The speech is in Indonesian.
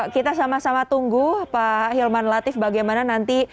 kita sama sama tunggu pak hilman latif bagaimana nanti